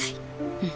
うん。